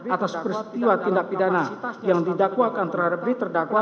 atas peristiwa tindak pidana yang didakwa akan terhadap di terdakwa